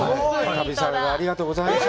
旅サラダ、ありがとうございます。